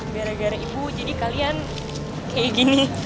gara gara ibu jadi kalian kayak gini